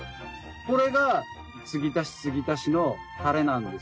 これが継ぎ足し継ぎ足しのたれなんですよ。